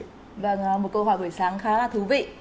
vâng một câu hỏi buổi sáng khá là thú vị